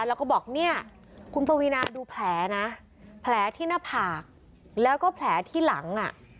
แล้วก็บอกเนี่ยคุณปวีนาดูแผลนะแผลที่หน้าผากแล้วก็แผลที่หลังอ่ะ